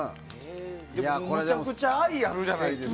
めちゃくちゃ愛やないですか。